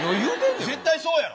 絶対そうやろ。